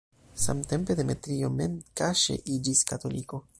Samtempe Demetrio mem kaŝe iĝis katoliko.